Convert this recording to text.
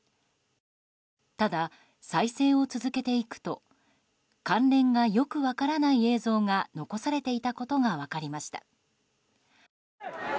ただ、再生を続けていくと関連がよく分からない映像が残されていたことが分かりました。